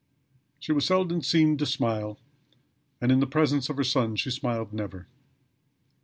She was seldom seen to smile and in the presence of her son she smiled never.